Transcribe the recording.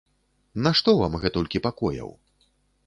Нашто вам гэтулькі пакояў?